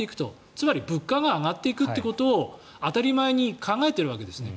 つまり物価が上がっていくということを当たり前に考えているわけですね。